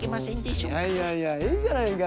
いやいやいやいいじゃないか。